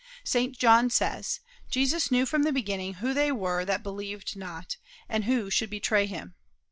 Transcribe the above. St. John says, "Jesus knew from the beginning who they were that believed not, and who should betray him."